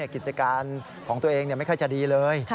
กิจการของตัวเองไม่ค่อยจะดีเลย